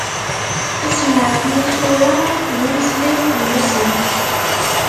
Asenɛet n yisura, d umeslay fell-asen.